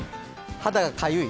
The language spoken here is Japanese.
肌がかゆい？